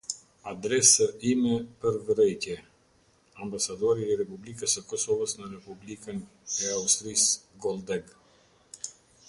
Adresë ime për vërejtje: Ambasadori i Republikës së Kosovës në Republikën c Austrisë Goldeg.